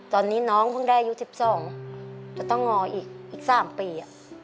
ตอนนี้น้องเพิ่งได้อายุ๑๒จะต้องงออีก๓ปี